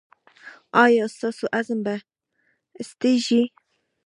ایا ستاسو عزم به سستیږي؟